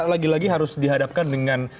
lagi lagi harus dihadapkan dengan